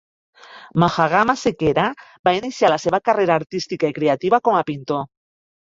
Mahagama Sekera va iniciar la seva carrera artística i creativa com a pintor.